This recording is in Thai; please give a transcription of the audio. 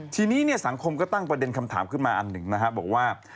ทีนี้สังคมก็ตั้งประเด็นคำถามขึ้นมาอันหนึ่งนะครับบอกว่า